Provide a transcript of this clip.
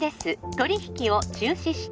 取引を中止して